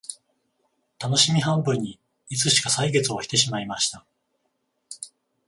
たのしみ半分にいつしか歳月を経てしまいました